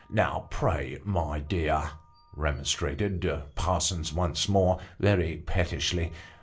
"Now, pray, my dear," remonstrated Parsons once more, very pettishly.